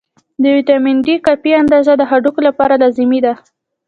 د ویټامین D کافي اندازه د هډوکو لپاره لازمي ده.